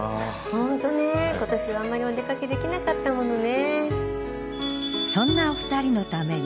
ホントね今年はあんまりお出かけできなかったものね。